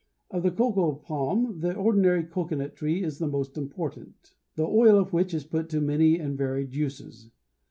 Of the cocoa palms the ordinary cocoanut tree is the most important, the oil of which is put to many and varied uses.